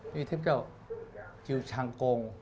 นี่คือเทพเจ้าจิวชังกง